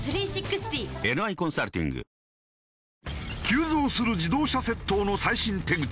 急増する自動車窃盗の最新手口